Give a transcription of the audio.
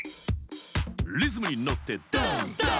「リズムにのってダンダン」